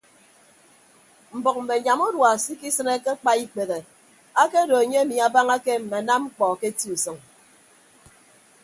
Mbʌk mme anyam urua se ikisịne ke akpa ikpehe akedo enye emi abañake mme anam mkpọ ke eti usʌñ.